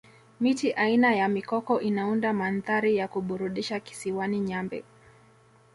miti aina ya mikoko inaunda mandhari ya kuburudisha kisiwani nyambe